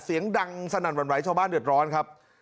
เสียงดังสนั่นหวั่นไหวชาวบ้านเดือดร้อนครับ